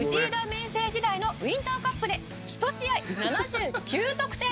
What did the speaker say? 明誠時代のウインターカップで１試合７９得点！」